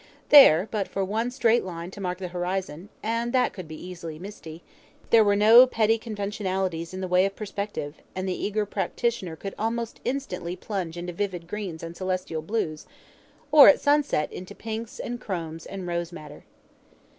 There, but for one straight line to mark the horizon (and that could easily be misty) there were no petty conventionalities in the way of perspective, and the eager practitioner could almost instantly plunge into vivid greens and celestial blues, or, at sunset, into pinks and chromes and rose madder.